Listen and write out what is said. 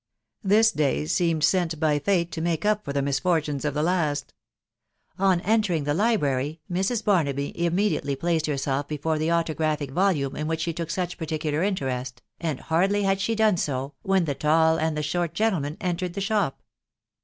This day seemed sent by fate to make up for the misfor tunes of the last. On entering the library, Mrs. Barnaby immediately placed herself before the autographic volume in which she took such particular interest, and hardly had she done so, when the tall and the short gentlemen entered the shop.